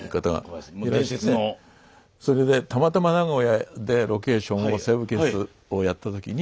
それでたまたま名古屋でロケーションを「西部警察」をやった時に。